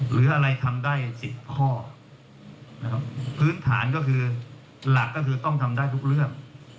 หรืออะไรทำได้๑๐ข้อนะครับพื้นฐานก็คือหลักก็คือต้องทำได้ทุกเรื่อง